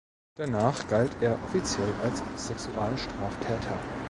Danach galt er offiziell als Sexualstraftäter.